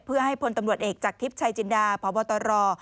เพื่อให้พลตำรวจเอกจากทิพย์ชัยจินดาพบตร